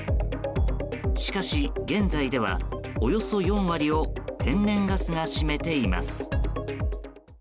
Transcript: しかし現在では、およそ４割を天然ガスが占めています。